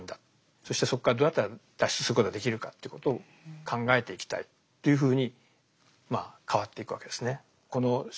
そしてそこからどうやったら脱出することができるかということを考えていきたいというふうにまあ変わっていくわけですね。